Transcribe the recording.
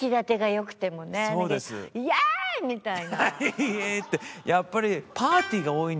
「イエーイ！」ってやっぱりパーティーが多いんですね